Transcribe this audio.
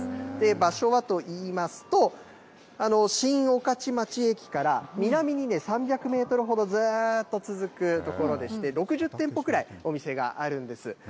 場所はといいますと、新御徒町駅から南に３００メートルほどずーっと続くところでして、６０店舗ぐらいお店があるんです。